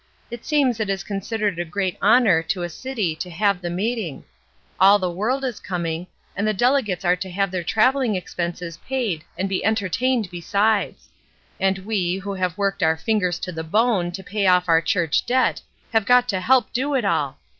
It seems it is considered a great honor to a city to have the meeting. All the world is coming, and the delegates are to have their travelling expenses paid and be enter tained besides. And we, who have worked our fingers to the bone to pay off our church debt, have got to help do it all.